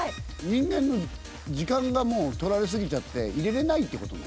人間の時間が取られ過ぎちゃって入れれないってことね？